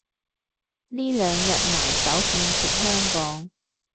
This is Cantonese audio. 呢兩日埋首建設香港